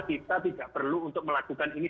kita tidak perlu untuk melakukan ini